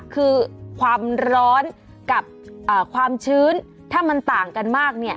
คือความร้อนกับความชื้นถ้ามันต่างกันมากเนี่ย